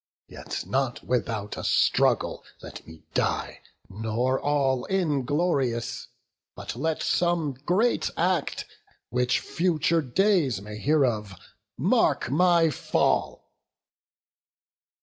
Yet not without a struggle let me die, Nor all inglorious; but let some great act, Which future days may hear of, mark my fall."